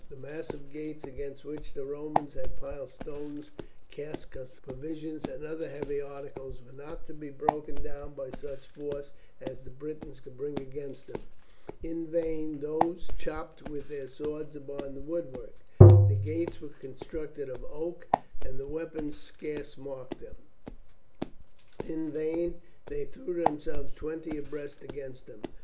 The massive gates against which the Romans had piled stones, casks of provisions, and other heavy articles were not to be broken down by such force as the Britons could bring against them. In vain these chopped with their swords upon the woodwork. The gates were constructed of oak, and the weapons scarce marked them. In vain they threw themselves twenty abreast against them.